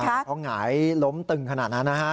เพราะหงายล้มตึงขนาดนั้นนะฮะ